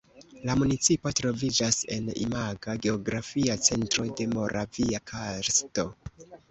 La municipo troviĝas en imaga geografia centro de Moravia karsto.